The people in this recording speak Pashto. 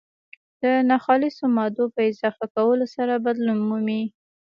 د ناخالصو مادو په اضافه کولو سره بدلون مومي.